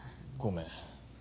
ごめん。